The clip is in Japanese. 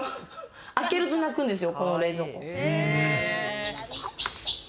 開けるとなくんですよ、この冷蔵庫。